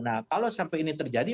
nah kalau sampai ini terjadi